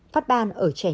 phát ban ở trẻ trẻ